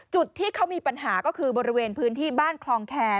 จุดที่เขามีปัญหาก็คือบริเวณพื้นที่บ้านคลองแคร์